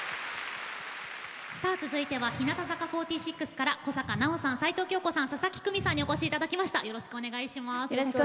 続いては、日向坂４６から小坂菜緒さん、齊藤京子さん佐々木久美さんにお越しいただきました。